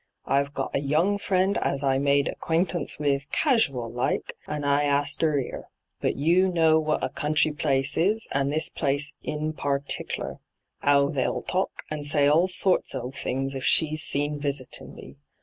I've got a young friend as I made acquaintance with casual like, and I asked 'er 'ere. But you know what a country place is, and this place in partickler — 'ow they'll talk, and say all sorts of things, if she's seen visitin' me.